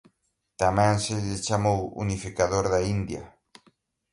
Tamén se lle chamou "Unificador da India".